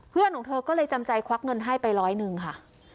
ของเธอก็เลยจำใจควักเงินให้ไปร้อยหนึ่งค่ะ